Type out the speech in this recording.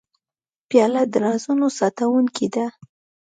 پیاله د رازونو ساتونکې ده.